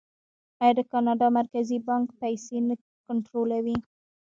آیا د کاناډا مرکزي بانک پیسې نه کنټرولوي؟